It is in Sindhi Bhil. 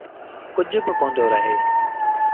ڪجھ با ڪوندو رهي۔